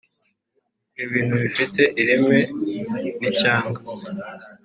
kora ibintu bifite ireme n’icyanga